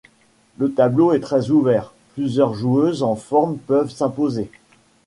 Le tableau est très ouvert, plusieurs joueuses en forme peuvent s'imposer.